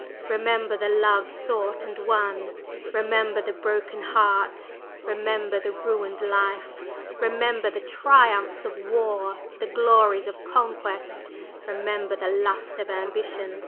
Remember the love sought and won! remember the broken heart! remember the ruined life! Remember the triumphs of war! the glories of conquest! Remember the lust of ambition!